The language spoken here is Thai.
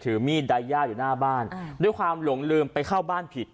มีดไดย่าอยู่หน้าบ้านด้วยความหลงลืมไปเข้าบ้านผิด